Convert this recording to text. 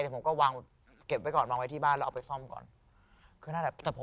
แต่ผมก็เก็บไว้ก่อนวางไว้ที่บ้านแล้วเอาไปซ่อมก่อน